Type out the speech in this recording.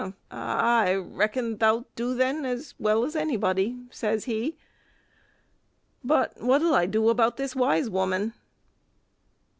"I reckon thou 'lt do then as well as anybody," says he; "but what'll I do about this wise woman?"